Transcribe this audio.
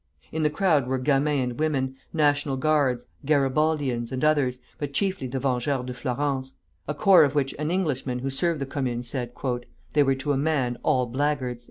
In the crowd were gamins and women, National Guards, Garibaldians, and others, but chiefly the Vengeurs de Flourens, a corps of which an Englishman who served the Commune said: "They were to a man all blackguards."